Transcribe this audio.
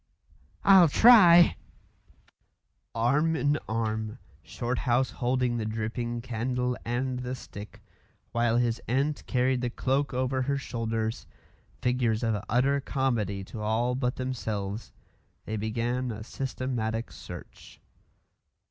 "I'll try " Arm in arm, Shorthouse holding the dripping candle and the stick, while his aunt carried the cloak over her shoulders, figures of utter comedy to all but themselves, they began a systematic search.